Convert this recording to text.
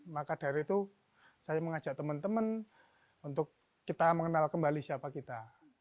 maka dari itu saya mengajak teman teman untuk kita mengenal kembali siapa kita